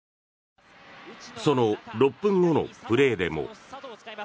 その６分後のプレーでも。